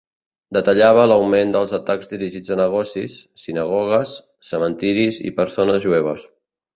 Detallava l'augment dels atacs dirigits a negocis, sinagogues, cementiris i persones jueves.